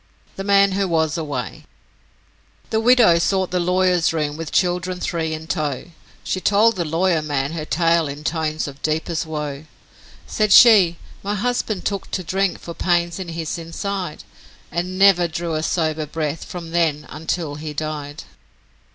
The Man Who Was Away The widow sought the lawyer's room with children three in tow, She told the lawyer man her tale in tones of deepest woe. Said she, 'My husband took to drink for pains in his inside, And never drew a sober breath from then until he died.